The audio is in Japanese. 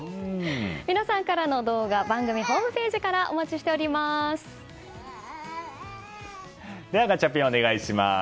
皆さんからの動画番組ホームページからでは、ガチャピンお願いします。